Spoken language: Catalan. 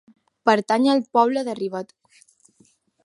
Pertany al poble de Rivert.